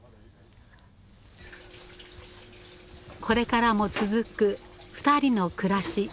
これからも続く２人の暮らし。